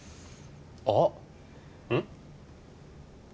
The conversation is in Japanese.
あっうん？